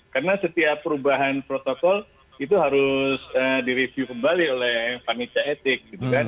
karena setiap perubahan protokol itu harus direview kembali oleh komisi etik